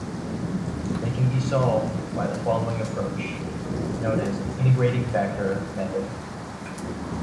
They can be solved by the following approach, known as an "integrating factor" method.